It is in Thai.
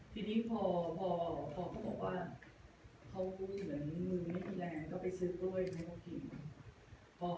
ทีนี้พอเขาบอกว่าเขาเหมือนมือไม่มีแรงก็ไปซื้อกล้วยให้เขากิน